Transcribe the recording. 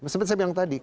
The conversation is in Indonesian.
seperti saya bilang tadi